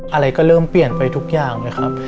อะไรก็เริ่มเปลี่ยนไปทุกอย่างเลยครับ